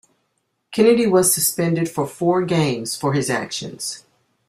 Kennedy was suspended for four games for his actions.